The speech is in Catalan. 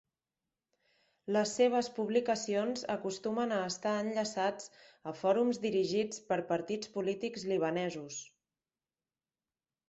Les seves publicacions acostumen a estar enllaçats a fòrums dirigits per partits polítics libanesos.